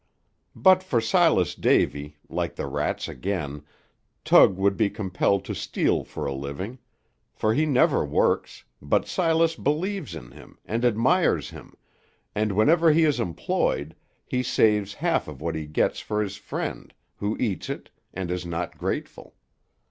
But for Silas Davy, like the rats again, Tug would be compelled to steal for a living; for he never works, but Silas believes in him, and admires him, and whenever he is employed, he saves half of what he gets for his friend, who eats it, and is not grateful.